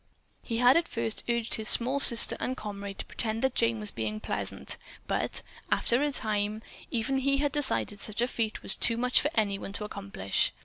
He had at first urged his small sister and comrade to pretend that Jane was being pleasant, but, after a time, even he had decided that such a feat was too much for anyone to accomplish.